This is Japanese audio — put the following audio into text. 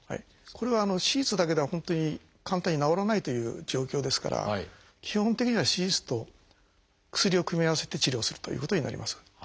これは手術だけでは本当に簡単に治らないという状況ですから基本的には手術と薬を組み合わせて治療するということになります。